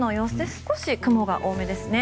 少し雲が多めですね。